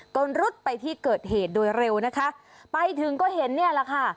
ก็รุดไปที่เกิดเหตุโดยเร็วนะคะไปถึงก็เห็นเนี่ยแหละค่ะ